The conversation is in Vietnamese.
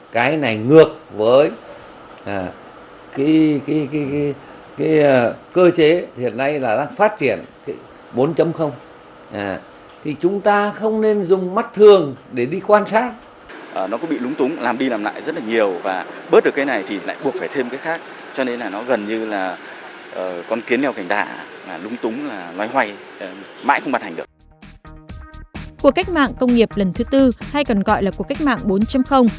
cuộc cách mạng công nghiệp lần thứ tư hay còn gọi là cuộc cách mạng bốn